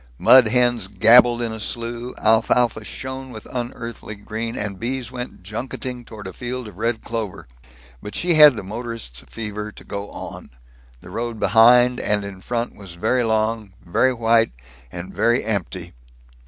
Mud hens gabbled in a slew, alfalfa shone with unearthly green, and bees went junketing toward a field of red clover. But she had the motorist's fever to go on. The road behind and in front was very long, very white and very empty.